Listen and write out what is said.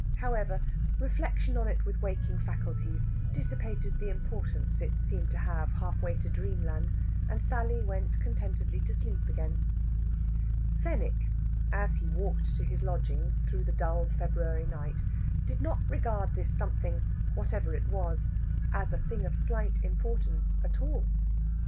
However, reflection on it with waking faculties dissipated the importance it seemed to have half way to dreamland, and Sally went contentedly to sleep again. Fenwick, as he walked to his lodgings through the dull February night, did not regard this something, whatever it was, as a thing of slight importance at all.